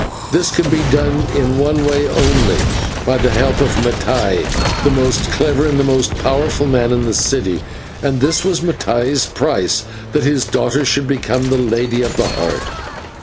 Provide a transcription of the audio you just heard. This could be done in one way only, by the help of Mattai, the most clever and the most powerful man in the city, and this was Mattai's price, that his daughter should become the Lady of the Heart.